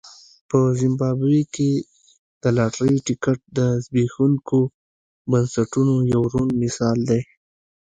په زیمبابوې کې د لاټرۍ ټکټ د زبېښونکو بنسټونو یو روڼ مثال دی.